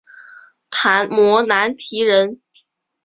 昙摩难提人。